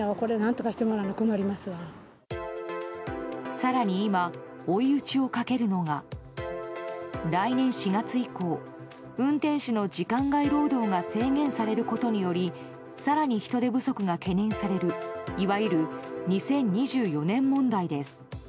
更に今、追い打ちをかけるのが来年４月以降運転手の時間外労働が制限されることにより更に人手不足が懸念されるいわゆる２０２４年問題です。